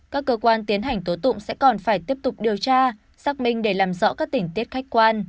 các cơ quan tiến hành tố tụng sẽ còn phải tiếp tục điều tra xác minh để làm rõ các tình tiết khách quan